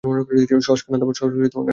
সশ, কান্না থামাও।